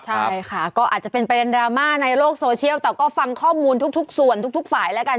ใช่ค่ะก็อาจจะเป็นประเด็นดราม่าในโลกโซเชียลแต่ก็ฟังข้อมูลทุกส่วนทุกฝ่ายแล้วกัน